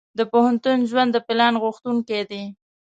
د پوهنتون ژوند د پلان غوښتونکی دی.